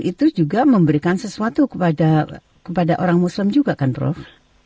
itu juga memberikan sesuatu kepada orang muslim juga kan prof